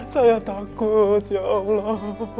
saya takut ya allah